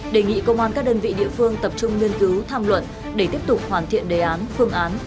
đề nghị công an các đơn vị địa phương tập trung nghiên cứu tham luận để tiếp tục hoàn thiện đề án phương án